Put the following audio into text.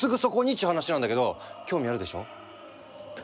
っちゅう話なんだけど興味あるでしょ？